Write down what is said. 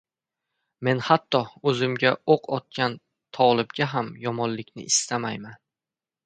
Men hatto o‘zimga o‘q otgan tolibga ham yomonlikni istamayman.